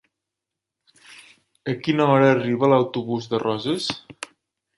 A quina hora arriba l'autobús de Roses?